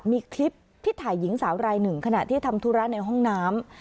มีคลิปที่ถ่ายหญิงสาวรายหนึ่งขณะที่ทำธุระในห้องน้ำ